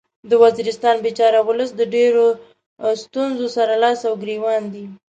د وزیرستان بیچاره ولس د ډیرو ستونځو سره لاس او ګریوان دی